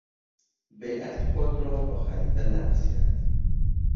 بیعت خود را با خلیفه نقض کرد.